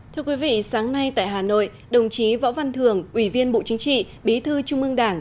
thưa quý vị sáng nay tại hà nội đồng chí võ văn thường ủy viên bộ chính trị bí thư trung ương đảng